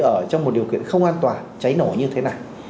ở trong một điều kiện không an toàn cháy nổ như thế này